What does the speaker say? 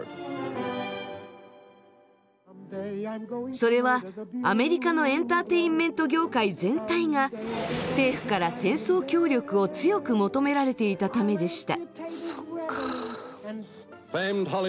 それはアメリカのエンターテインメント業界全体が政府から戦争協力を強く求められていたためでした。